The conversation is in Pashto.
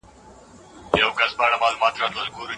که د ټولنیزې کچي لوړېدو هڅې وسي، نو ډیرې ګټې راځي.